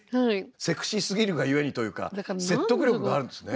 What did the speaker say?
セクシーすぎるが故にというか説得力があるんですね。